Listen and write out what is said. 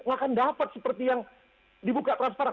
nggak akan dapat seperti yang dibuka transparan